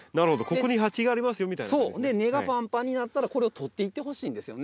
根がパンパンになったらこれを取っていってほしいんですよね。